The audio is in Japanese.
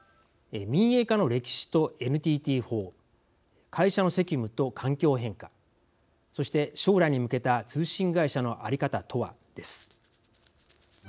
民営化の歴史とＮＴＴ法会社の責務と環境変化そして将来に向けた通信会社の在り方とは、です。